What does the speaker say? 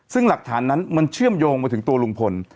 ซึ่งหลักฐานนั้นมันเชื่อมโยงมาถึงตัวลุงพล